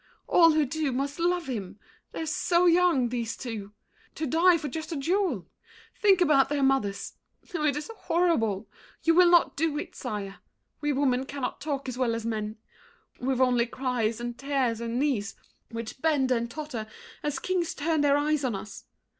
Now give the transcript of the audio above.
All who do Must love him! They're so young—these two! To die For just a duel! Think about their mothers. Oh, it is horrible! You will not do it, sire! We women cannot talk as well as men. We've only cries and tears and knees, which bend And totter as kings turn their eyes on us.